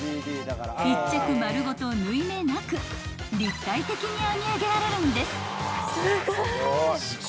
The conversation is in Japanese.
［１着丸ごと縫い目なく立体的に編み上げられるんです］